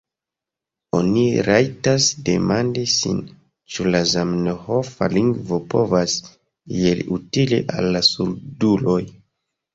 Oni rajtas demandi sin, ĉu la zamenhofa lingvo povas iel utili al la surduloj.